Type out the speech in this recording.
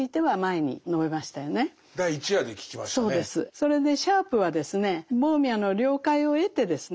それでシャープはですねボーミャの了解を得てですね